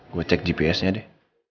gue cek gps nya deh